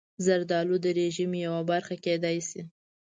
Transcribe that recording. زردالو د رژیم یوه برخه کېدای شي.